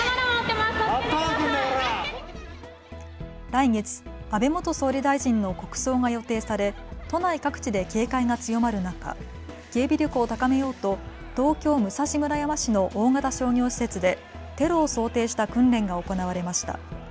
来月、安倍元総理大臣の国葬が予定され都内各地で警戒が強まる中、警備力を高めようと東京武蔵村山市の大型商業施設でテロを想定した訓練が行われました。